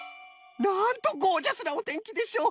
なんとゴージャスなおてんきでしょう！